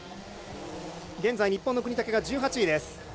現在、日本の國武が１８位です。